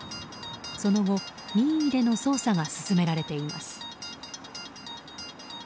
その後、任意での捜査が進められています。